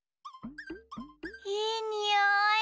いいにおい！